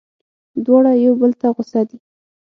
دواړه یو بل ته غوسه دي.